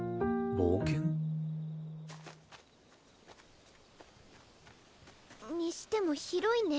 冒険？にしても広いね